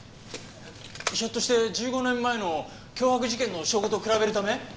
ひょっとして１５年前の脅迫事件の証拠と比べるため？